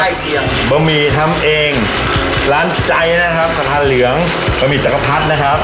เคียงบะหมี่ทำเองร้านใจนะครับสะพานเหลืองบะหมี่จักรพรรดินะครับ